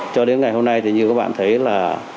cho đến ngày hôm nay thì như các bạn thấy là